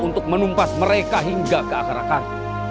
untuk menumpas mereka hingga ke akar akar